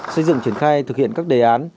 xây dựng triển khai thực hiện các đề án